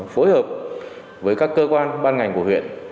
phối hợp với các cơ quan ban ngành của huyện